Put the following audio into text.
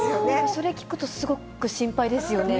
それ聞くと、すごく心配ですよね。